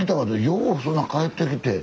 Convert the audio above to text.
ようそんな帰ってきて。